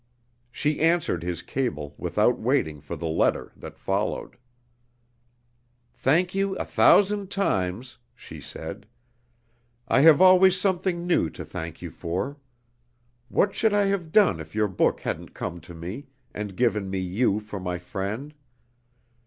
She answered his cable without waiting for the letter that followed. "Thank you a thousand times," she said. "I have always something new to thank you for. What should I have done if your book hadn't come to me, and given me you for my friend?